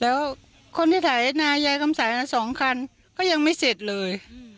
แล้วคนที่ถ่ายนะยายกำศัยอันดับสองคันก็ยังไม่เสร็จเลย